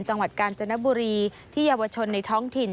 จังหวัดกาญจนบุรีที่เยาวชนในท้องถิ่น